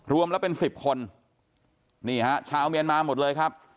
รวมแล้วเป็นสิบคนนี่ฮะชาวเมียนมาหมดเลยครับ